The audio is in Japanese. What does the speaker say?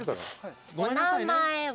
お名前は？